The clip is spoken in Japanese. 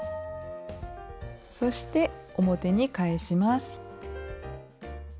そして表に返します。